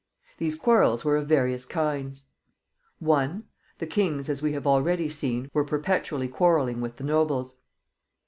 These quarrels were of various kinds. 1. The kings, as we have already seen, were perpetually quarreling with the nobles.